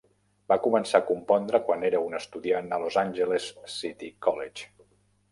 Va començar a compondre quan era un estudiant al Los Angeles City College.